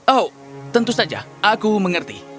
oh tentu saja aku mengerti